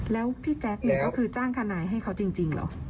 แล้วพี่แจ๊คเนี่ยก็คือจ้างทนายให้เขาจริงเหรอ